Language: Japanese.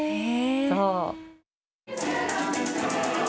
そう。